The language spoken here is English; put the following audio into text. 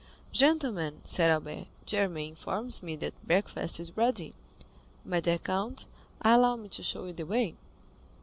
"Gentlemen," said Albert, "Germain informs me that breakfast is ready. My dear count, allow me to show you the way."